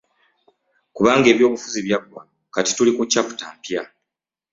Kubanga eby'obufuzi byaggwa kati tuli ku ccaputa mpya.